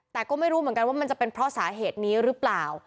แต่ก็ไม่รู้เหมือนกันว่ามันจะเป็นเพราะสาเหตุนี้หรือเปล่า